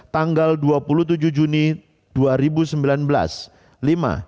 tanggal dua puluh tujuh juni dua ribu sembilan belas